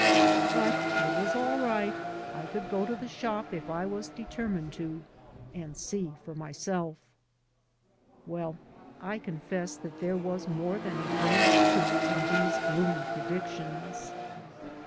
But it was all right. I could go to the shop if I was determined to, and see for myself. WeU, I confess that there was more than a grain of truth in these gloomy predictions.